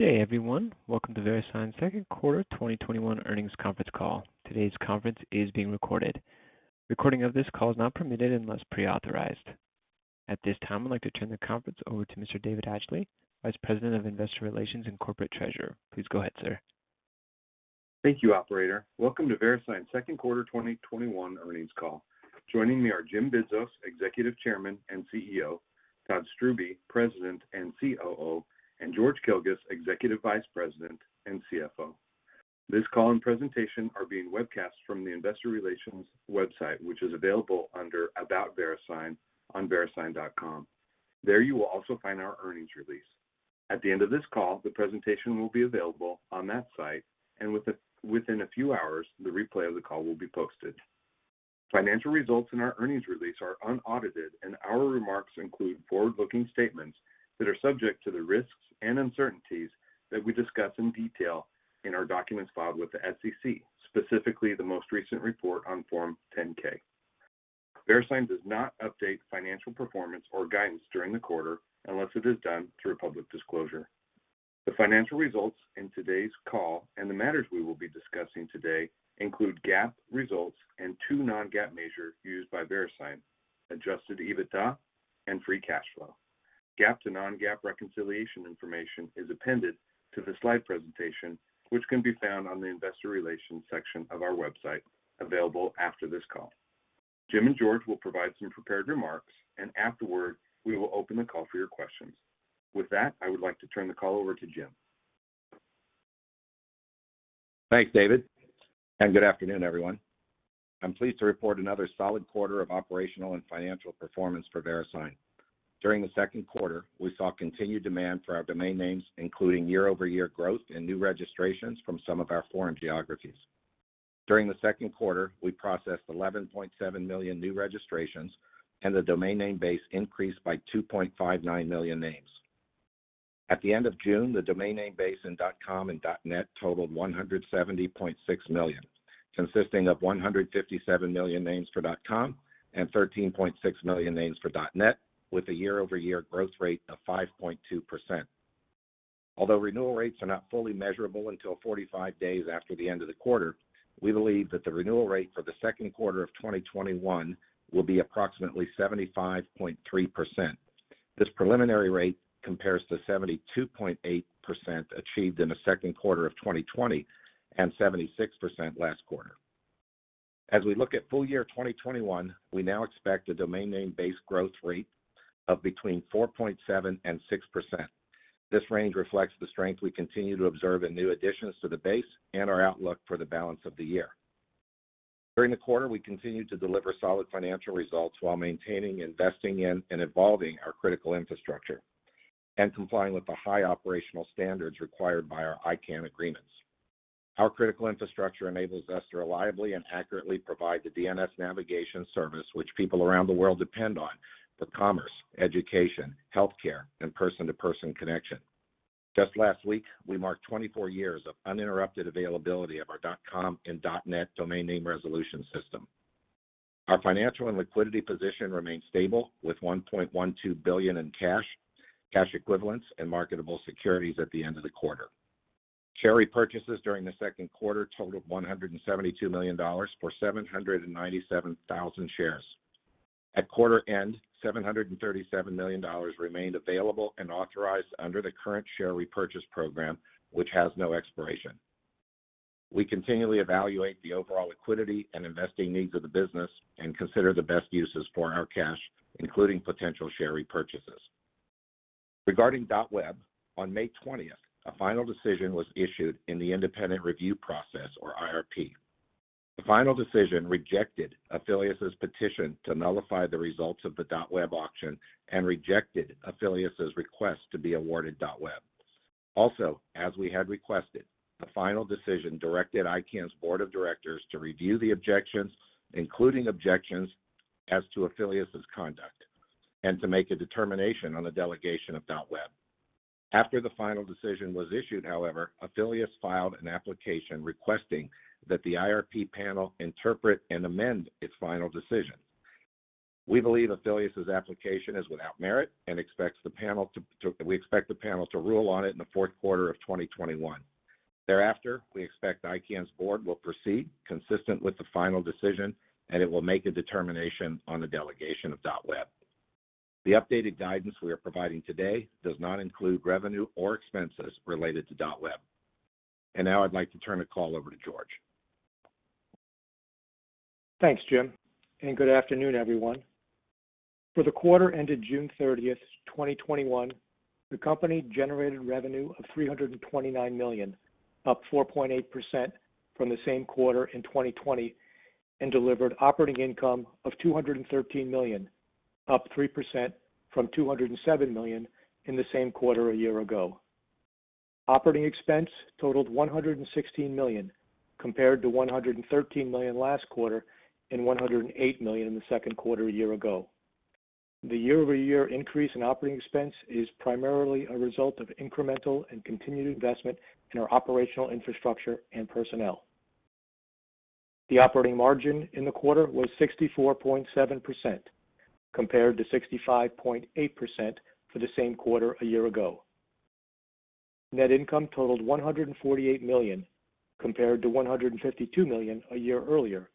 Good day, everyone. Welcome to VeriSign's second quarter 2021 earnings conference call. Today's conference is being recorded. Recording of this call is not permitted unless pre-authorized. At this time, I'd like to turn the conference over to Mr. David Atchley, Vice President of Investor Relations and Corporate Treasurer. Please go ahead, sir. Thank you, operator. Welcome to VeriSign's second quarter 2021 earnings call. Joining me are Jim Bidzos, Executive Chairman and CEO, Todd Strubbe, President and COO, and George Kilguss, Executive Vice President and CFO. This call and presentation are being webcast from the investor relations website, which is available under About VeriSign on verisign.com. There, you will also find our earnings release. At the end of this call, the presentation will be available on that site, and within a few hours, the replay of the call will be posted. Financial results in our earnings release are unaudited, and our remarks include forward-looking statements that are subject to the risks and uncertainties that we discuss in detail in our documents filed with the SEC, specifically the most recent report on Form 10-K. VeriSign does not update financial performance or guidance during the quarter unless it is done through public disclosure. The financial results in today's call and the matters we will be discussing today include GAAP results and two non-GAAP measures used by VeriSign, adjusted EBITDA and free cash flow. GAAP to non-GAAP reconciliation information is appended to the slide presentation, which can be found on the investor relations section of our website, available after this call. Afterward, we will open the call for your questions. With that, I would like to turn the call over to Jim. Thanks, David, and good afternoon, everyone. I'm pleased to report another solid quarter of operational and financial performance for VeriSign. During the second quarter, we saw continued demand for our domain names, including year-over-year growth and new registrations from some of our foreign geographies. During the second quarter, we processed 11.7 million new registrations, and the domain name base increased by 2.59 million names. At the end of June, the domain name base in .com and .net totaled 170.6 million, consisting of 157 million names for .com and 13.6 million names for .net, with a year-over-year growth rate of 5.2%. Although renewal rates are not fully measurable until 45 days after the end of the quarter, we believe that the renewal rate for the second quarter of 2021 will be approximately 75.3%. This preliminary rate compares to 72.8% achieved in the second quarter of 2020 and 76% last quarter. As we look at full year 2021, we now expect a domain name base growth rate of between 4.7% and 6%. This range reflects the strength we continue to observe in new additions to the base and our outlook for the balance of the year. During the quarter, we continued to deliver solid financial results while maintaining, investing in, and evolving our critical infrastructure and complying with the high operational standards required by our ICANN agreements. Our critical infrastructure enables us to reliably and accurately provide the DNS navigation service which people around the world depend on for commerce, education, healthcare, and person-to-person connection. Just last week, we marked 24 years of uninterrupted availability of our .com and .net domain name resolution system. Our financial and liquidity position remains stable, with $1.12 billion in cash equivalents, and marketable securities at the end of the quarter. Share repurchases during the second quarter totaled $172 million for 797,000 shares. At quarter end, $737 million remained available and authorized under the current share repurchase program, which has no expiration. We continually evaluate the overall liquidity and investing needs of the business and consider the best uses for our cash, including potential share repurchases. Regarding .web, on May 20th, a final decision was issued in the independent review process, or IRP. The final decision rejected Afilias' petition to nullify the results of the .web auction and rejected Afilias' request to be awarded .web. Also, as we had requested, the final decision directed ICANN's board of directors to review the objections, including objections as to Afilias' conduct, and to make a determination on the delegation of .web. After the final decision was issued, however, Afilias filed an application requesting that the IRP panel interpret and amend its final decision. We believe Afilias' application is without merit, and we expect the panel to rule on it in the fourth quarter of 2021. Thereafter, we expect ICANN's board will proceed consistent with the final decision, and it will make a determination on the delegation of .web. The updated guidance we are providing today does not include revenue or expenses related to .web. Now I'd like to turn the call over to George. Thanks, Jim. Good afternoon, everyone. For the quarter ended June 30th, 2021, the company generated revenue of $329 million, up 4.8% from the same quarter in 2020, and delivered operating income of $213 million, up 3% from $207 million in the same quarter a year ago. Operating expense totaled $116 million, compared to $113 million last quarter and $108 million in the second quarter a year ago. The year-over-year increase in operating expense is primarily a result of incremental and continued investment in our operational infrastructure and personnel. The operating margin in the quarter was 64.7%, compared to 65.8% for the same quarter a year ago. Net income totaled $148 million, compared to $152 million a year earlier,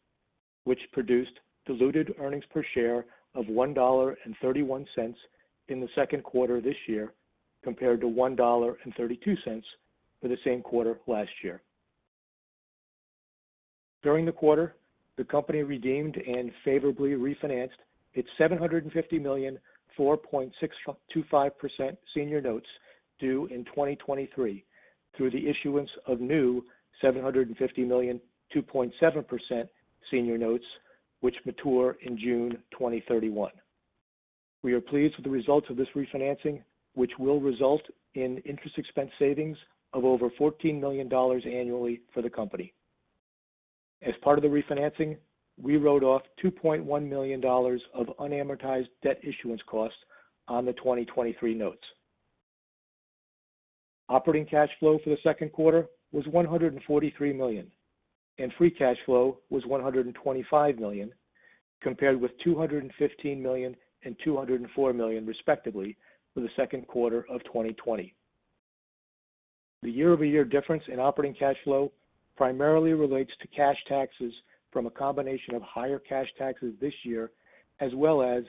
which produced diluted earnings per share of $1.31 in the second quarter this year, compared to $1.32 for the same quarter last year. During the quarter, the company redeemed and favorably refinanced its $750 million, 4.625% senior notes due in 2023 through the issuance of new $750 million, 2.7% senior notes, which mature in June 2031. We are pleased with the results of this refinancing, which will result in interest expense savings of over $14 million annually for the company. As part of the refinancing, we wrote off $2.1 million of unamortized debt issuance costs on the 2023 notes. Operating cash flow for the second quarter was $143 million, and free cash flow was $125 million, compared with $215 million and $204 million respectively for the second quarter of 2020. The year-over-year difference in operating cash flow primarily relates to cash taxes from a combination of higher cash taxes this year, as well as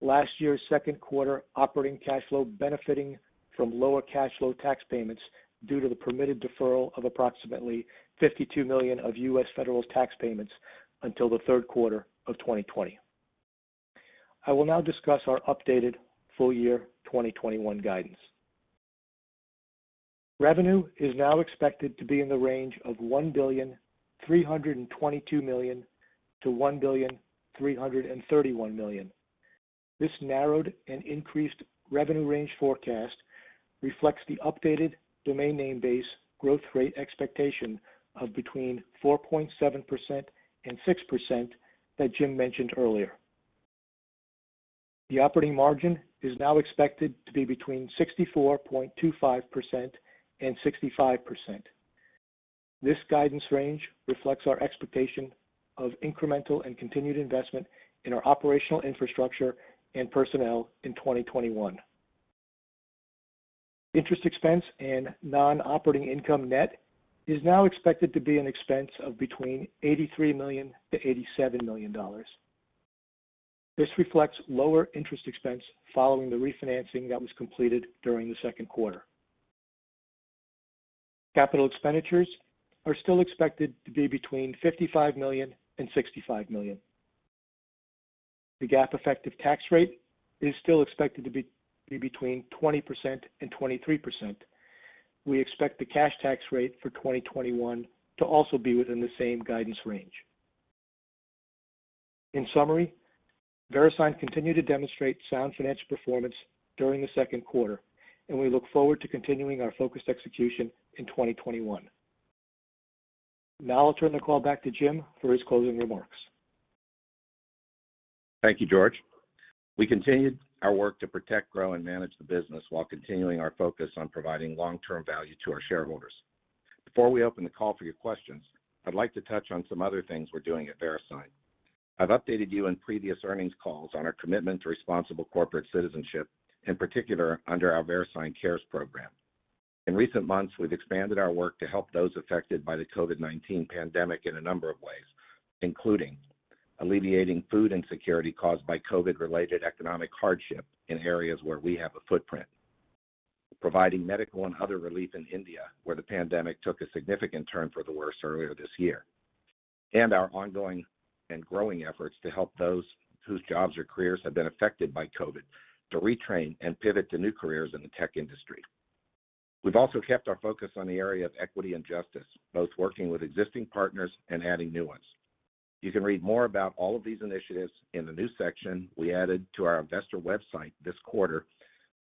last year's second quarter operating cash flow benefiting from lower cash flow tax payments due to the permitted deferral of approximately $52 million of U.S. federal tax payments until the third quarter of 2020. I will now discuss our updated full year 2021 guidance. Revenue is now expected to be in the range of $1.322 billion to $1.331 billion. This narrowed and increased revenue range forecast reflects the updated domain name base growth rate expectation of between 4.7% and 6% that Jim mentioned earlier. The operating margin is now expected to be between 64.25% and 65%. This guidance range reflects our expectation of incremental and continued investment in our operational infrastructure and personnel in 2021. Interest expense and non-operating income net is now expected to be an expense of between $83 million-$87 million. This reflects lower interest expense following the refinancing that was completed during the second quarter. Capital expenditures are still expected to be between $55 million and $65 million. The GAAP effective tax rate is still expected to be between 20% and 23%. We expect the cash tax rate for 2021 to also be within the same guidance range. In summary, VeriSign continued to demonstrate sound financial performance during the second quarter, and we look forward to continuing our focused execution in 2021. Now I'll turn the call back to Jim for his closing remarks. Thank you, George. We continued our work to protect, grow, and manage the business while continuing our focus on providing long-term value to our shareholders. Before we open the call for your questions, I'd like to touch on some other things we're doing at VeriSign. I've updated you in previous earnings calls on our commitment to responsible corporate citizenship, in particular under our VeriSign Cares program. In recent months, we've expanded our work to help those affected by the COVID-19 pandemic in a number of ways, including alleviating food insecurity caused by COVID-related economic hardship in areas where we have a footprint, providing medical and other relief in India, where the pandemic took a significant turn for the worse earlier this year, and our ongoing and growing efforts to help those whose jobs or careers have been affected by COVID to retrain and pivot to new careers in the tech industry. We've also kept our focus on the area of equity and justice, both working with existing partners and adding new ones. You can read more about all of these initiatives in the new section we added to our investor website this quarter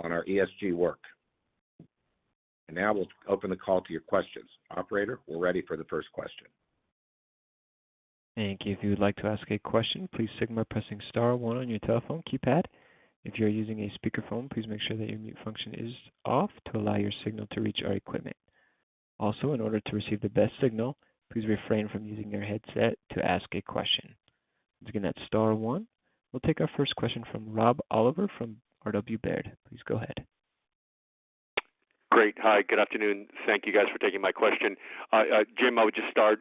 on our ESG work. Now we'll open the call to your questions. Operator, we're ready for the first question. Thank you. If you would like to ask a question, please signal by pressing star one on your telephone keypad. If you're using a speakerphone, please make sure that your mute function is off to allow your signal to reach our equipment. Also, in order to receive the best signal, please refrain from using your headset to ask a question. Once again, that's star one. We'll take our first question from Rob Oliver from R.W. Baird. Please go ahead. Great. Hi, good afternoon. Thank you guys for taking my question. Jim, I would just start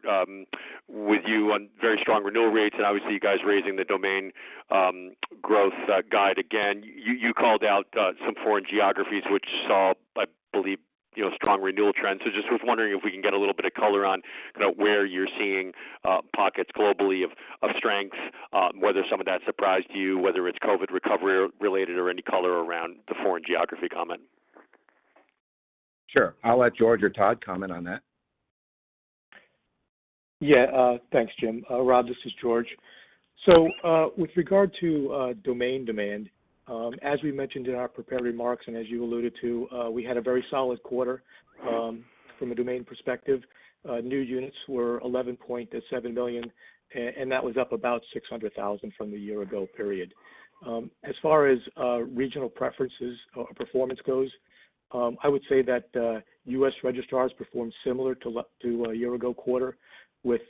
with you on VeriSign renewal rates and obviously you guys raising the domain growth guide again. You called out some foreign geographies which saw, I believe, strong renewal trends. Just was wondering if we can get a little bit of color on kind of where you're seeing pockets globally of strength, whether some of that surprised you, whether it's COVID-19 recovery related or any color around the foreign geography comment. Sure. I'll let George or Todd comment on that. Thanks, Jim. Rob, this is George. With regard to domain demand, as we mentioned in our prepared remarks and as you alluded to, we had a very solid quarter from a domain perspective. New units were 11.7 million, that was up about 600,000 from the year-ago period. As far as regional preferences or performance goes, I would say that U.S. registrars performed similar to a year-ago quarter, with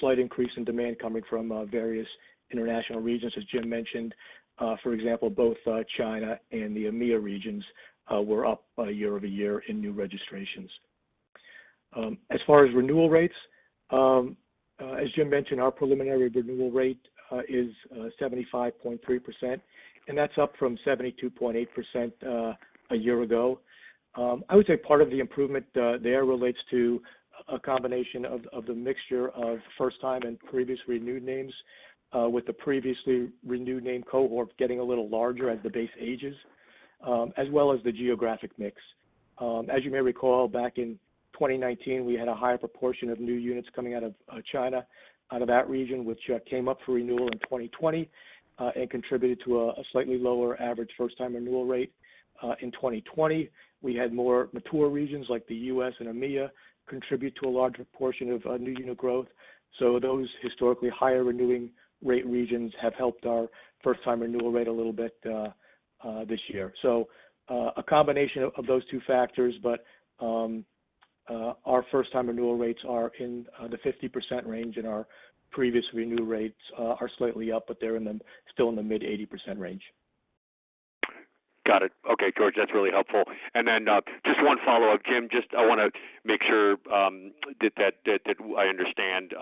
slight increase in demand coming from various international regions, as Jim mentioned. For example, both China and the EMEA regions were up year-over-year in new registrations. As far as renewal rates, as Jim mentioned, our preliminary renewal rate is 75.3%, that's up from 72.8% a year-ago. I would say part of the improvement there relates to a combination of the mixture of first time and previous renewed names, with the previously renewed name cohort getting a little larger as the base ages, as well as the geographic mix. As you may recall, back in 2019, we had a higher proportion of new units coming out of China, out of that region, which came up for renewal in 2020, and contributed to a slightly lower average first time renewal rate. In 2020, we had more mature regions like the U.S. and EMEA contribute to a larger portion of new unit growth. Those historically higher renewing rate regions have helped our first time renewal rate a little bit this year. A combination of those two factors, but our first time renewal rates are in the 50% range, and our previous renew rates are slightly up, but they're still in the mid 80% range. Got it. Okay, George, that's really helpful. Then just one follow-up. Jim, just I want to make sure that I understand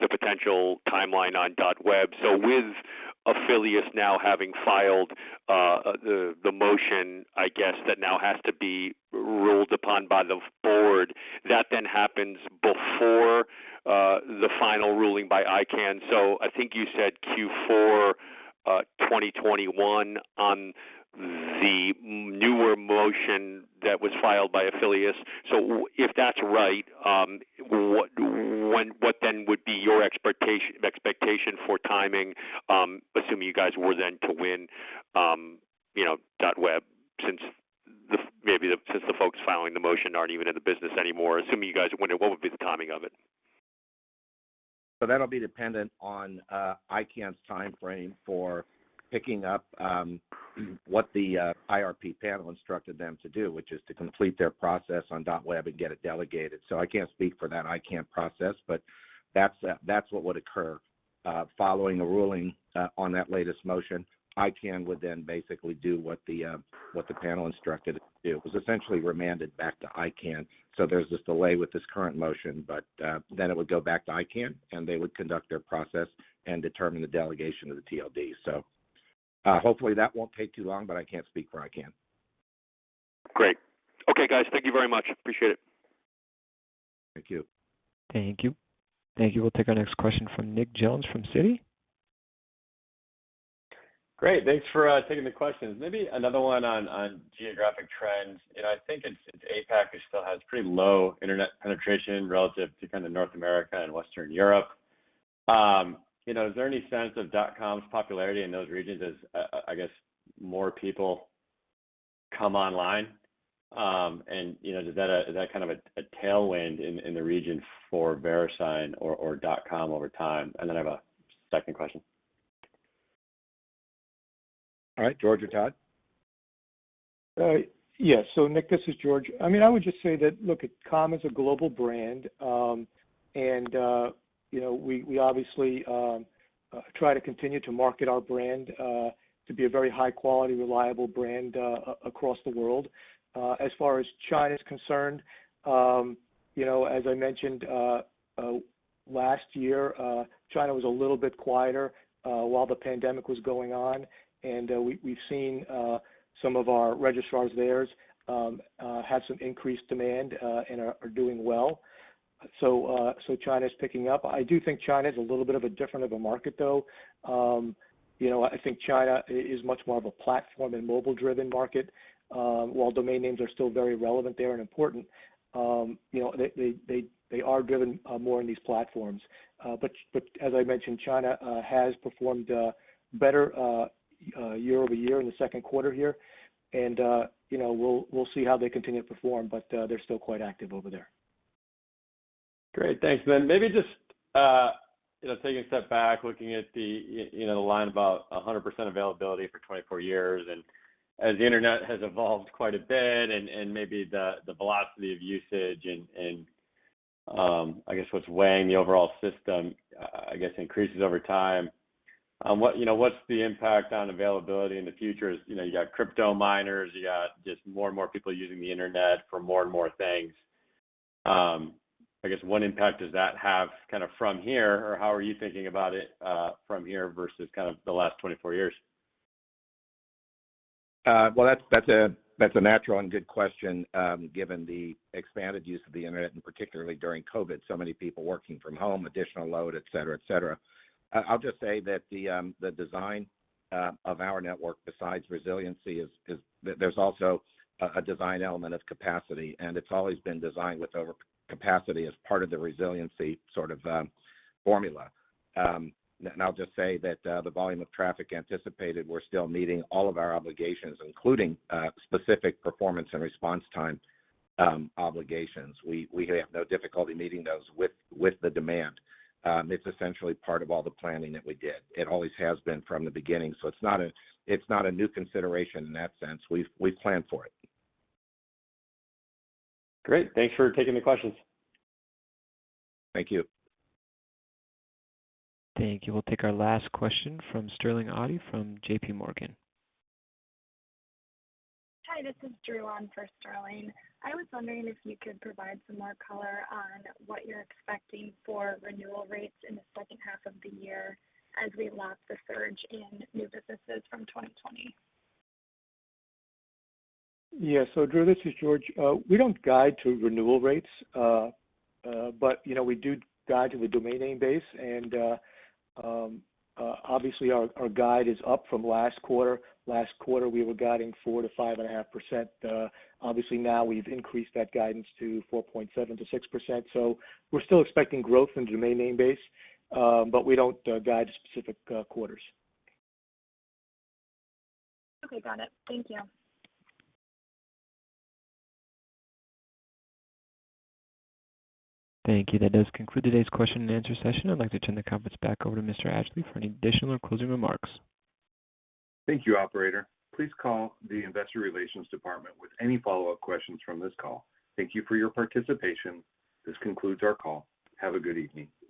the potential timeline on .web. With Afilias now having filed the motion, I guess that now has to be ruled upon by the board, that then happens before the final ruling by ICANN. I think you said Q4 2021 on the newer motion that was filed by Afilias. If that's right, what then would be your expectation for timing, assuming you guys were then to win .web, since the folks filing the motion aren't even in the business anymore, assuming you guys would win it, what would be the timing of it? That'll be dependent on ICANN's timeframe for picking up what the IRP panel instructed them to do, which is to complete their process on .web and get it delegated. I can't speak for that ICANN process, but that's what would occur. Following a ruling on that latest motion, ICANN would then basically do what the panel instructed it to do. It was essentially remanded back to ICANN. There's this delay with this current motion, it would go back to ICANN and they would conduct their process and determine the delegation of the TLD. Hopefully that won't take too long, but I can't speak for ICANN. Great. Okay, guys. Thank you very much. Appreciate it. Thank you. Thank you. Thank you. We'll take our next question from Nick Jones from Citi. Great. Thanks for taking the questions. Maybe another one on geographic trends. I think it's APAC who still has pretty low internet penetration relative to North America and Western Europe. Is there any sense of .com's popularity in those regions as, I guess, more people come online? Is that a tailwind in the region for VeriSign or .com over time? I have a second question. All right. George or Todd? Yes. Nick, this is George. I would just say that, look, .com is a global brand. We obviously try to continue to market our brand to be a very high quality, reliable brand across the world. As far as China is concerned, as I mentioned, last year China was a little bit quieter while the COVID-19 was going on. We've seen some of our registrars there have some increased demand and are doing well. China's picking up. I do think China's a little bit of a different market, though. I think China is much more of a platform and mobile-driven market. While domain names are still very relevant there and important, they are driven more in these platforms. As I mentioned, China has performed better year-over-year in the second quarter here. We'll see how they continue to perform, but they're still quite active over there. Great. Thanks. Maybe just taking a step back, looking at the line about 100% availability for 24 years, and as the internet has evolved quite a bit and maybe the velocity of usage and I guess what's weighing the overall system, I guess, increases over time, what's the impact on availability in the future as you got crypto miners, you got just more and more people using the internet for more and more things? I guess what impact does that have from here, or how are you thinking about it from here versus the last 24 years? Well, that's a natural and good question given the expanded use of the internet, and particularly during COVID-19, so many people working from home, additional load, et cetera. I'll just say that the design of our network, besides resiliency, there's also a design element of capacity, and it's always been designed with over capacity as part of the resiliency formula. I'll just say that the volume of traffic anticipated, we're still meeting all of our obligations, including specific performance and response time obligations. We have no difficulty meeting those with the demand. It's essentially part of all the planning that we did. It always has been from the beginning. It's not a new consideration in that sense. We've planned for it. Great. Thanks for taking the questions. Thank you. Thank you. We'll take our last question from Sterling Auty from JPMorgan. Hi, this is Drew on for Sterling. I was wondering if you could provide some more color on what you're expecting for renewal rates in the second half of the year as we lap the surge in new businesses from 2020. Yeah. Drew, this is George. We don't guide to renewal rates. We do guide to the domain name base. Obviously, our guide is up from last quarter. Last quarter, we were guiding 4%-5.5%. Obviously, now we've increased that guidance to 4.7%-6%. We're still expecting growth in domain name base, but we don't guide specific quarters. Okay, got it. Thank you. Thank you. That does conclude today's question and answer session. I'd like to turn the conference back over to Mr. Atchley for any additional or closing remarks. Thank you, Operator. Please call the investor relations department with any follow-up questions from this call. Thank you for your participation. This concludes our call. Have a good evening.